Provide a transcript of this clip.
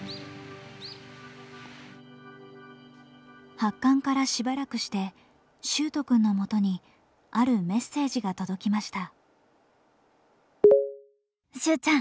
発刊からしばらくして秀斗くんのもとにあるメッセージが届きました。